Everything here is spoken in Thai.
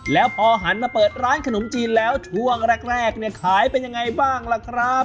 แล้วพอหันมาเปิดร้านขนมจีนแล้วช่วงแรกเนี่ยขายเป็นยังไงบ้างล่ะครับ